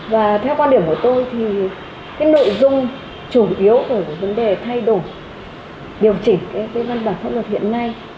và theo quan điểm của tôi thì cái nội dung chủ yếu ở vấn đề thay đổi điều chỉnh cái văn bản pháp luật hiện nay